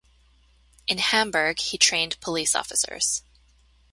In Hamburg, he trained police officers.